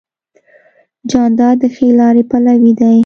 جانداد د ښې لارې پلوی دی.